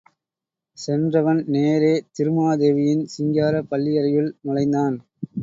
சென்றவன் நேரே திருமா தேவியின் சிங்காரப் பள்ளியறையுள் நுழைந்தான்.